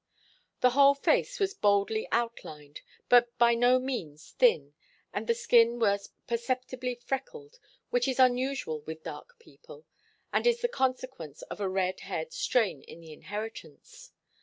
The whole face was boldly outlined, but by no means thin, and the skin was perceptibly freckled, which is unusual with dark people, and is the consequence of a red haired strain in the inheritance.